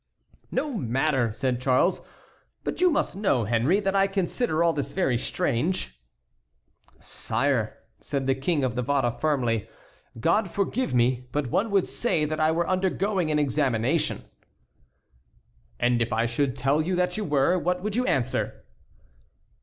"No matter!" said Charles, "but you must know, Henry, that I consider all this very strange." "Sire," said the King of Navarre, firmly, "God forgive me, but one would say that I were undergoing an examination." "And if I should tell you that you were, what would you answer?"